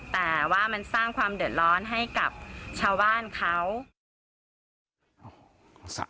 แต่ว่ามันสร้างความเดือดร้อนให้กับชาวบ้านเขา